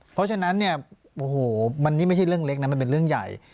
เพราะฉะนั้นมันนี่ไม่ใช่เรื่องเล็กมันเป็นเรื่องใหญ่